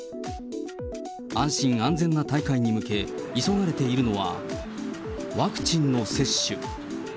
安心安全な大会に向け、急がれているのは、ワクチンの接種。